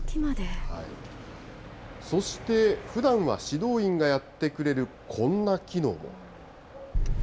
そして、ふだんは指導員がやってくれるこんな機能も。